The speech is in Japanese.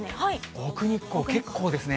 奥日光、結構ですね。